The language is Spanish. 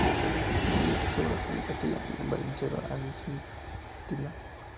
Escribió sus obras en castellano y en valenciano alicantino.